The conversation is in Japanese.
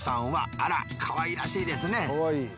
あらかわいらしいですね！